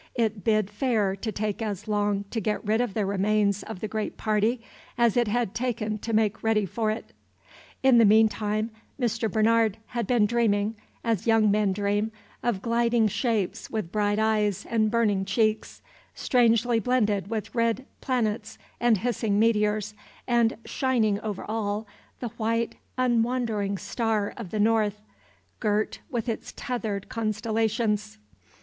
It bid fair to take as long to get rid of the remains of the great party as it had taken to make ready for it. In the mean time Mr. Bernard had been dreaming, as young men dream, of gliding shapes with bright eyes and burning cheeks, strangely blended with red planets and hissing meteors, and, shining over all, the white, un wandering star of the North, girt with its tethered constellations.